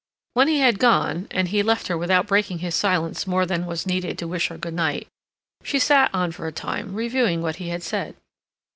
When he had gone, and he left her without breaking his silence more than was needed to wish her good night, she sat on for a time, reviewing what he had said.